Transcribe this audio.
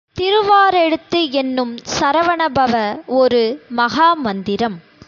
திருவாறெழுத்து என்னும் சரவணபவ ஒரு மகாமந்திரம்.